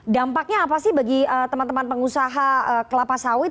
dampaknya apa sih bagi teman teman pengusaha kelapa sawit